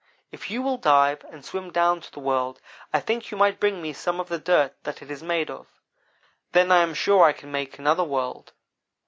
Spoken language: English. If you will dive and swim down to the world I think you might bring me some of the dirt that it is made of then I am sure I can make another world.'